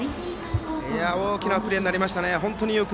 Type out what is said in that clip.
大きなプレーになりましたね。